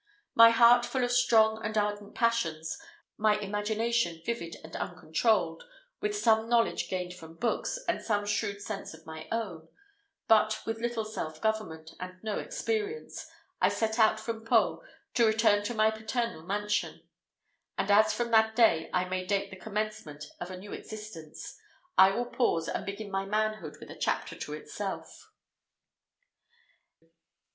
My heart full of strong and ardent passions, my imagination vivid and uncontrolled, with some knowledge gained from books, and some shrewd sense of my own, but with little self government, and no experience, I set out from Pau, to return to my paternal mansion; and as from that day I may date the commencement of a new existence, I will pause, and begin my manhood with a chapter to itself.